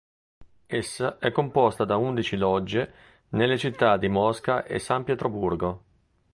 Essa è composta da undici logge nelle città di Mosca e San Pietroburgo.